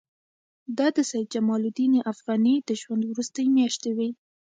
دا د سید جمال الدین افغاني د ژوند وروستۍ میاشتې وې.